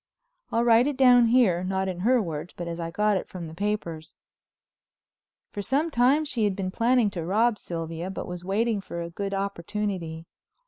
I'll write it down here, not in her words, but as I got it from the papers. For some time she had been planning to rob Sylvia, but was waiting for a good opportunity.